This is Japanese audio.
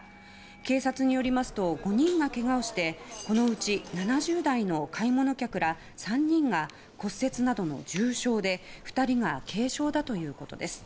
警察によりますと５人がけがをしてこのうち７０代の買い物客ら３人が骨折などの重傷で２人が軽傷だということです。